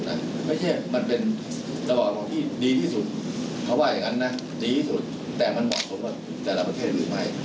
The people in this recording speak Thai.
แต่มันเหมาะสมกับแต่ละประเทศอื่นไหม